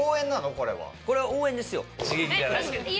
これは応援ですよ。